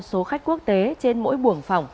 số khách quốc tế trên mỗi buồng phòng